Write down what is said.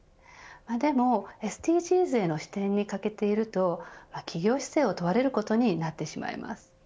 でもＳＤＧｓへの視点に欠けていると企業姿勢を問われることになってしまいます。